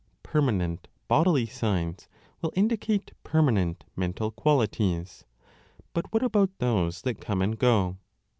Permanent bodily signs will indicate permanent mental qualities, but what about those that come and go